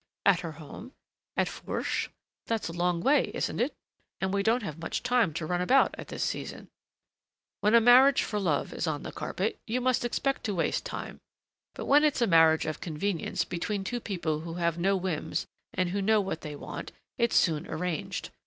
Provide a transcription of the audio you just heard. "At her home? At Fourche? That's a long way, isn't it? and we don't have much time to run about at this season." "When a marriage for love is on the carpet, you must expect to waste time; but when it's a marriage of convenience between two people who have no whims and who know what they want, it's soon arranged.